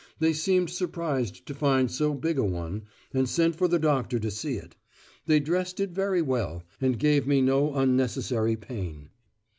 They seemed surprised to find so big a one, and sent for the doctor to see it. They dressed it very well, and gave me no unnecessary pain.